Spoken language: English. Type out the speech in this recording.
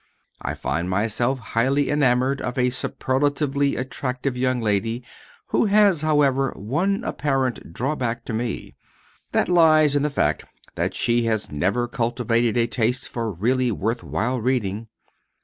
I find myself highly enamored of a superlatively attractive young lady who has, however, one apparent drawback to me. That lies in the fact that she has never cultivated a taste for really worth while reading.